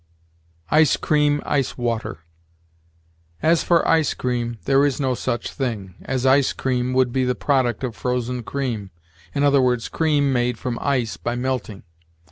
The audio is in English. ICE CREAM ICE WATER. As for ice cream, there is no such thing, as ice cream would be the product of frozen cream, i. e., cream made from ice by melting.